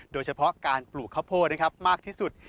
โดยเฉพาะการปลูกข้าวโพดนะครับมากที่สุด